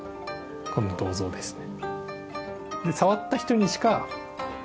この銅像ですね。